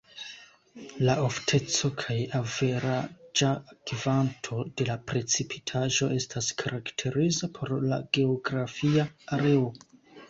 La ofteco kaj averaĝa kvanto de la precipitaĵo estas karakteriza por la geografia areo.